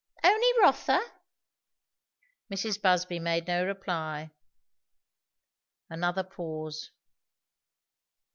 "Only Rotha?" Mrs. Busby made no reply. Another pause.